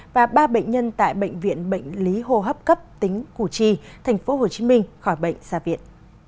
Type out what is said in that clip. và ba bệnh nhân tại bệnh viện bệnh lý hô hấp cấp tính củ chi tp hcm khỏi bệnh ra viện